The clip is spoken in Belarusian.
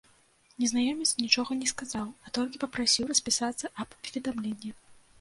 Незнаёмец нічога не сказаў, а толькі папрасіў распісацца аб паведамленні.